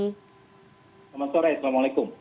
selamat sore assalamualaikum